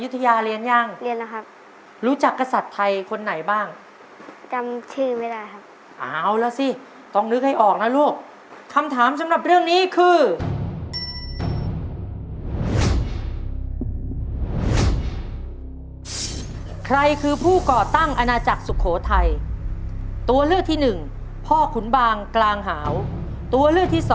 ถ้าพร้อมแล้ว